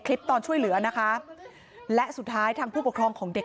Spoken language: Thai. ตอนช่วยเหลือนะคะและสุดท้ายทางผู้ปกครองของเด็ก